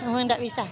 memang tidak bisa